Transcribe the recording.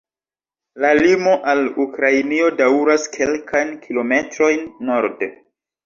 La limo al Ukrainio daŭras kelkajn kilometrojn norde.